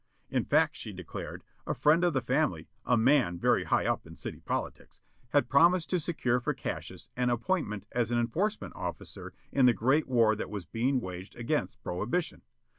In fact, she declared, a friend of the family, a man very high up in city politics, had promised to secure for Cassius an appointment as an enforcement officer in the great war that was being waged against prohibition.